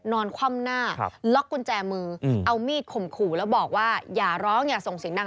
คว่ำหน้าล็อกกุญแจมือเอามีดข่มขู่แล้วบอกว่าอย่าร้องอย่าส่งเสียงดัง